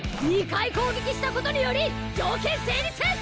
２回攻撃したことにより条件成立！